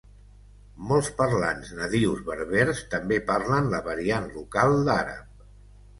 Molts parlants nadius berbers també parlen la variant local d'àrab.